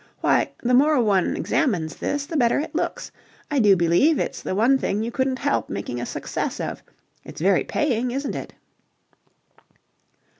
Why, the more one examines this, the better it looks. I do believe it's the one thing you couldn't help making a success of. It's very paying, isn't it?"